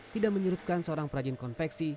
tidak menyerutkan seorang perajin konveksi